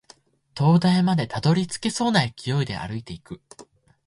灯台までたどり着けそうな勢いで歩いていく